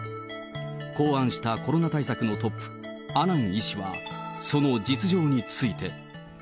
考案したコロナ対策のトップ、阿南医師はその実情について。